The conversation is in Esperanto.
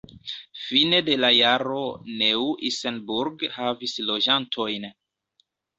Fine de la jaro Neu-Isenburg havis loĝantojn.